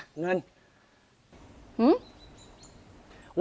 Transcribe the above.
อ่ะเงินหึ